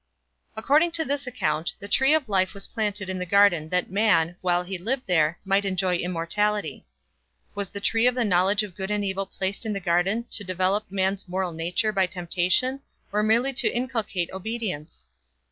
According to this account, the tree of life was planted in the garden that man, while he lived there, might enjoy immortality. Was the tree of the knowledge of good and evil placed in the garden to develop man's moral nature by temptation or merely to inculcate obedience?